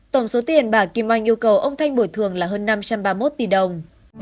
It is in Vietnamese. tổng số tiền bà kim oanh yêu cầu ông thanh bồi thường là hơn năm trăm ba mươi một tỷ đồng